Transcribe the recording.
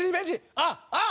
あっあっ！